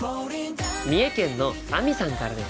三重県のあみさんからです。